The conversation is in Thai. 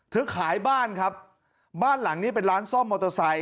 เธอขายบ้านครับบ้านหลังนี้เป็นร้านซ่อมมออโตซัย